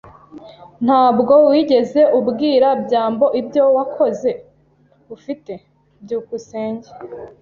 Ntabwo wigeze ubwira byambo ibyo wakoze, ufite? byukusenge